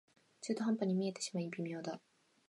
中途半端に見えてしまい微妙だ